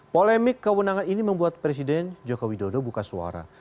polemik kewenangan ini membuat presiden jokowi dodo buka suara